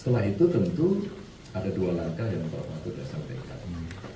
setelah itu tentu ada dua langkah yang bapak sudah sampaikan